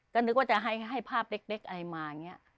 ก็นึกว่าจะให้ภาพเล็กอะไรมา